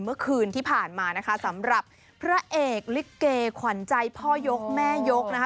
เมื่อคืนที่ผ่านมานะคะสำหรับพระเอกลิเกขวัญใจพ่อยกแม่ยกนะคะ